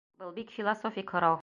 Был бик философик һорау!